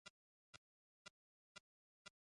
তার ডাক শুনে পুলিশ আবার গুলি করে।